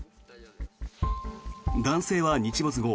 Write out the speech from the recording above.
男性は日没後